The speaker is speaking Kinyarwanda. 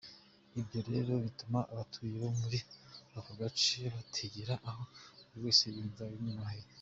Ibyo rero bituma abatuye bo muri ako gace bategera aho buri wese yumva bimworoheye.